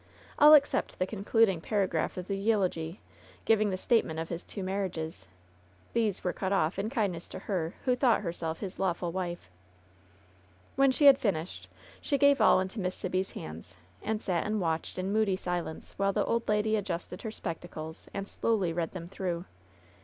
All except the concluding paragraph of the eulogy, giving the statement of his two marriages. These were cut off, in kindness to her, who thought herself his lawful wife. When she had finished she gave all into Miss Sibby's hands, and sat and watched in moody silence while ihe old lady adjusted her spectacles and slowly read them Ihrough.